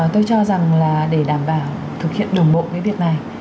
tôi cho rằng là để đảm bảo thực hiện đồng bộ cái việc này